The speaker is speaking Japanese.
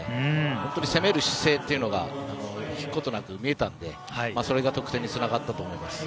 本当に攻める姿勢というのが引くことなく見えたのでそれが得点につながったと思います。